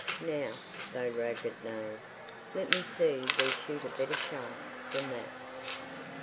Now, thou ragged knave, let me see thee shoot a better shaft than that."